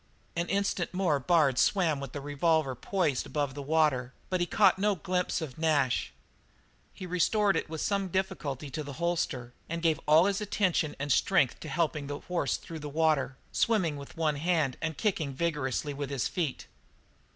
An instant more Bard swam with the revolver poised above the water, but he caught no glimpse of Nash; so he restored it with some difficulty to the holster, and gave all his attention and strength to helping the horse through the water, swimming with one hand and kicking vigorously with his feet.